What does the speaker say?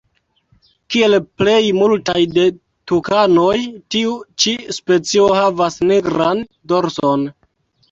Kiel plej multaj de tukanoj tiu ĉi specio havas nigran dorson.